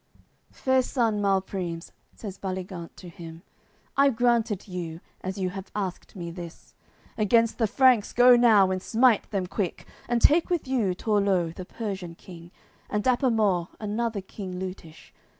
AOI. CCXXXI "Fair son Malprimes," says Baligant to him, "I grant it you, as you have asked me this; Against the Franks go now, and smite them quick. And take with you Torleu, the Persian king And Dapamort, another king Leutish.